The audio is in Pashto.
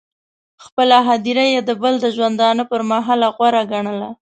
خپله هدیره یې د بل د ژوندانه پر محله غوره ګڼله.